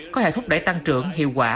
có thể thúc đẩy tăng trưởng hiệu quả